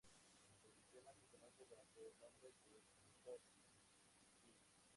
El sistema se conoce bajo el nombre de Hotchkiss.